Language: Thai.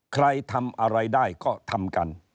ใครทำอะไรได้ก็ทำกัน